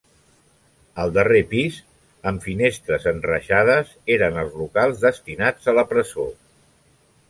El darrer pis, amb finestres enreixades, eren els locals destinats a la presó.